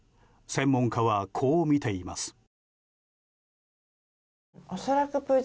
専門家は、こう見ています。